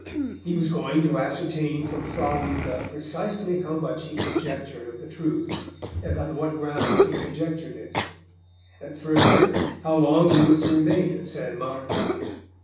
He was going to ascertain from Fra Luca precisely how much he conjectured of the truth, and on what grounds he conjectured it; and, further, how long he was to remain at San Marco.